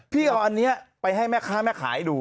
พี่เอาอันนี้ไปให้แม่ค้าแม่ขายดู